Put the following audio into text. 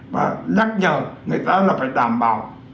và nhắc nhở người ta là phải đảm bảo